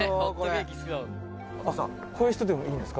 「あっこういう人でもいいんですか？」